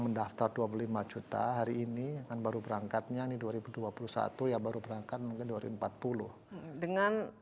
mendaftar dua puluh lima juta hari ini kan baru berangkatnya ini dua ribu dua puluh satu ya baru berangkat mungkin dua ribu empat puluh dengan